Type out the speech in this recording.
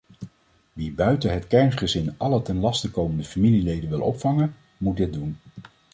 Wie buiten het kerngezin alle ten laste komende familieleden wil opvangen, moet dit doen.